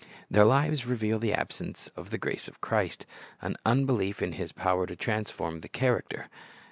Their lives reveal the absence of the grace of Christ, an unbelief in His power to transform the character.